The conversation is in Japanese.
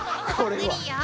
無理よ。